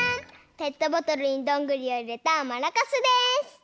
ペットボトルにどんぐりをいれたマラカスです！